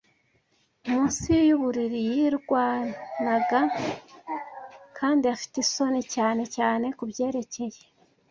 munsi y'uburiri. Yirwanaga kandi afite isoni, cyane cyane kubyerekeye